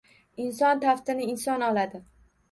Inson taftini inson oladi